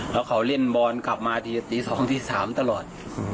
แล้วเขาเล่นบอลกลับมาทีสองทีสามตลอด